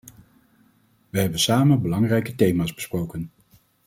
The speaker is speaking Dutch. Wij hebben samen belangrijke thema's besproken.